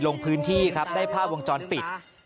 ลงพื้นที่ครับได้ภาพวงจรปิด